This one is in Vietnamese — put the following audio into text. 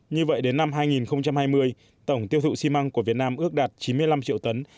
như vậy đến năm hai nghìn hai mươi tổng tiêu thụ xi măng của việt nam ước đạt chín mươi năm triệu tấn